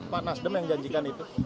pak nasdem yang janjikan itu